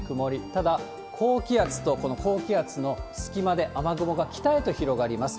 ただ、高気圧とこの高気圧の隙間で、雨雲が北へと広がります。